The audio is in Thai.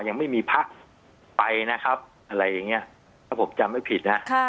ยังไม่มีพระไปนะครับอะไรอย่างเงี้ยถ้าผมจำไม่ผิดนะ